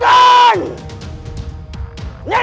kejaahannya sangat jauh